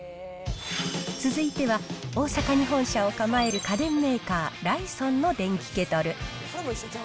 続いては、大阪に本社を構える家電メーカー、ライソンの電気ケトル。